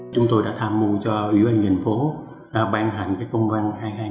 chúng tôi đã tham mưu cho ủy ban nhân phố ban hành công an hai nghìn hai trăm năm mươi năm